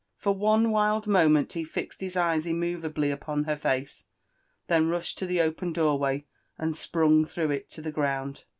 JPor one wild moment he fixed his eyes immovably upon her face, then rushed to the open door way and sprung through it to the ground.